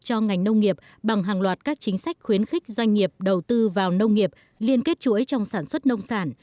cho ngành nông nghiệp bằng hàng loạt các chính sách khuyến khích doanh nghiệp đầu tư vào nông nghiệp liên kết chuỗi trong sản xuất nông sản